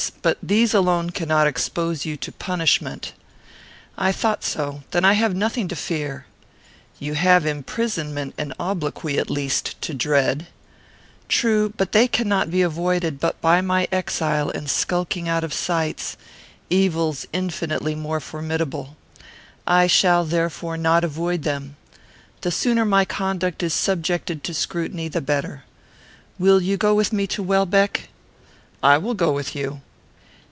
But these alone cannot expose you to punishment." "I thought so. Then I have nothing to fear." "You have imprisonment and obloquy, at least, to dread." "True; but they cannot be avoided but by my exile and skulking out of sight, evils infinitely more formidable. I shall, therefore, not avoid them. The sooner my conduct is subjected to scrutiny, the better. Will you go with me to Welbeck?" "I will go with you."